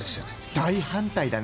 大反対だね！